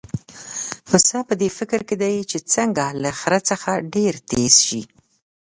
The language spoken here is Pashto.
پسه په دې فکر کې دی چې څنګه له خره څخه ډېر تېز شي.